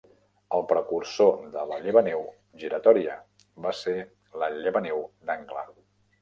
El precursor de la llevaneu giratòria va ser la llevaneu d'angle.